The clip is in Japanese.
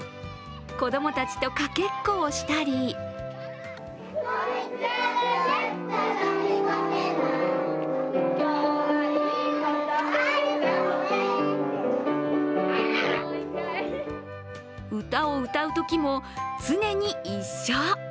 子供たちとかけっこをしたり歌を歌うときも常に一緒。